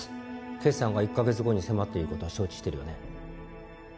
決算が１か月後に迫っていることは承知してるよね